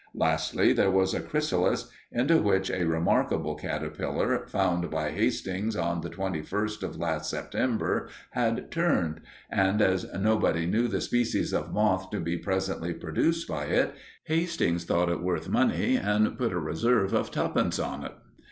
Lastly, there was a chrysalis, into which a remarkable caterpillar, found by Hastings on the twenty first of last September, had turned; and as nobody knew the species of moth to be presently produced by it, Hastings thought it worth money, and put a reserve of two pence on it.